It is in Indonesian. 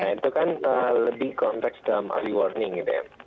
nah itu kan lebih konteks dalam early warning gitu ya